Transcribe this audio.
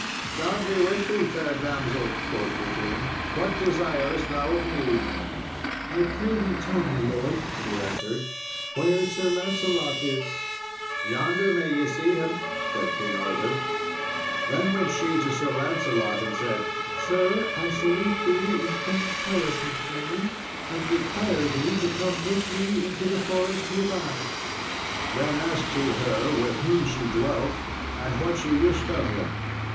"God be with thee, fair damsel," quoth the king; "what desirest thou of me?" "I pray thee tell me, lord," she answered, "where Sir Lancelot is." "Yonder may ye see him," said King Arthur. Then went she to Sir Lancelot and said, "Sir, I salute thee in King Pelles' name, and require thee to come with me into the forest hereby." Then asked he her with whom she dwelt, and what she wished of him.